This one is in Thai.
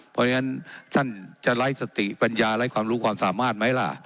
เพราะฉะนั้นท่านจะไร้สติปัญญาไร้ความรู้ความสามารถไหมล่ะ